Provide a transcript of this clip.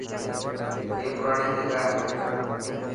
اي پراڻي جگاهي .